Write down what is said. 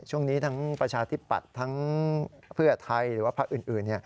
ช่วงนี้ทั้งประชาธิปัตย์ทั้งเพื่อไทยหรือว่าพักอื่น